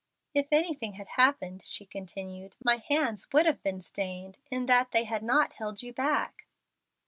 "If anything had happened," she continued, "my hands would have been stained, in that they had not held you back."